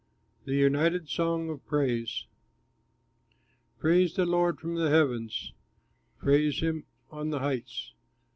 THE UNITED SONG OF PRAISE Praise the Lord from the heavens, Praise him on the heights.